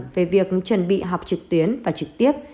về việc chuẩn bị họp trực tuyến và trực tiếp